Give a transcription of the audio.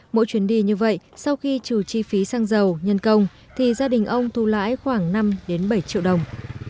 mỗi chuyến đi như vậy sau khi trừ chi phí xăng dầu nhân công thì gia đình ông thu lãi khoảng năm bảy triệu đồng